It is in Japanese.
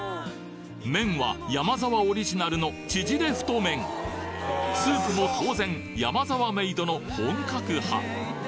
麺はヤマザワオリジナルのちぢれ太麺スープも当然ヤマザワメイドの本格派！